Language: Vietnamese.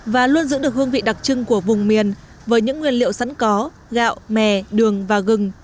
và luôn giữ được hương vị đặc trưng của vùng miền với những nguyên liệu sẵn có gạo mè đường và gừng